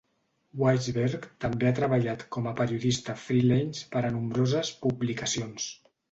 Weisberg també ha treballat com a periodista freelance per a nombroses publicacions.